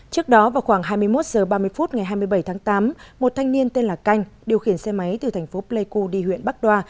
trước đó vào khoảng hai mươi một h ba mươi phút ngày hai mươi bảy tháng tám một thanh niên tên là canh điều khiển xe máy từ thành phố pleiku đi huyện bắc đoa